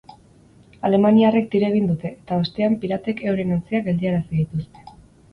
Alemaniarrek tiro egin dute, eta ostean piratek euren ontziak geldiarazi dituzte.